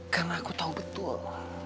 karena aku tau betul